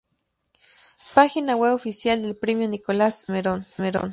Página web oficial del premio Nicolás Salmerón